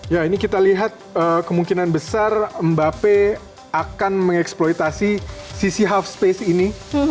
ya ini kita lihat kemungkinan besar mba pe akan mengeksploitasi sisi half space ini